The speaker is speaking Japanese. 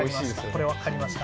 これは分かりました。